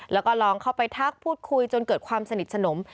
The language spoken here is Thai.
แล้วก็ลองเข้าไปทักพูดคุยจนเกิดความสนิทสนม